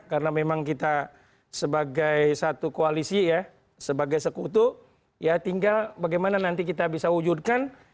karena memang kita sebagai satu koalisi ya sebagai sekutu ya tinggal bagaimana nanti kita bisa wujudkan